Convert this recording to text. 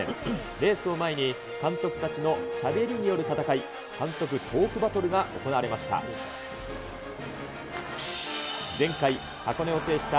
レースを前に、監督たちのしゃべりによる戦い、監督トークバトルが行われました。